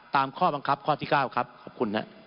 ตามข้อบังคับข้อที่๙ครับขอบคุณนะ